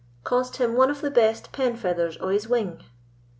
—cost him one of the best penfeathers o' his wing."